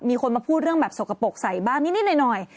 มีคนมาพูดเรื่องแบบสกปรกใสบ้างนิดหน่อย